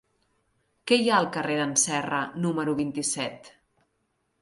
Què hi ha al carrer d'en Serra número vint-i-set?